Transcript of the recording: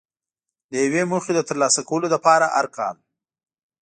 د یوې موخې د ترلاسه کولو لپاره هر کال.